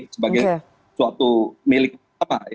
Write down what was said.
sebagai suatu milik pertama